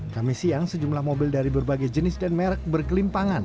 kami siang sejumlah mobil dari berbagai jenis dan merek berkelimpangan